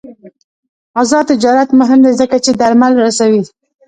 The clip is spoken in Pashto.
آزاد تجارت مهم دی ځکه چې درمل رسوي.